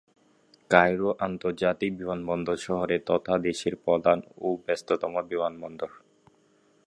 Cairo আন্তর্জাতিক বিমানবন্দর শহরের তথা দেশের প্রধান ও ব্যস্ততম বিমানবন্দর।